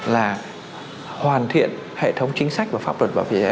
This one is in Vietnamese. là hoàn thiện hệ thống chính sách và pháp luật bảo vệ trẻ em